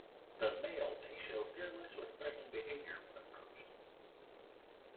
The male may show fearless or threatening behaviour when approached.